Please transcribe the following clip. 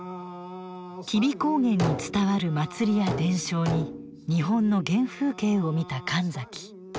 吉備高原に伝わる祭りや伝承に日本の原風景を見た神崎。